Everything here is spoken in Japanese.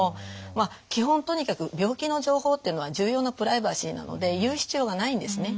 まあ基本とにかく病気の情報っていうのは重要なプライバシーなので言う必要がないんですね。